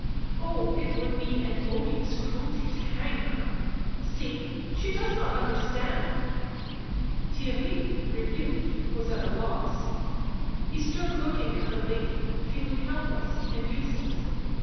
Oh, it would be an odious cruelty to hang her !— see, she does not understand !" Theirry, rebuked, was at a loss ; he stood looking at the lady, feeling helpless and useless.